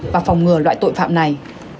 và phòng ngừa loại tội phạm này